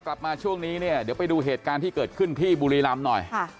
กลับมาช่วงนี้เนี่ยเดี๋ยวไปดูเหตุการณ์ที่เกิดขึ้นที่บุรีรำหน่อย